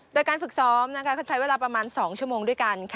โดยการฝึกซ้อมเขาใช้เวลาประมาณ๒ชั่วโมงด้วยกัน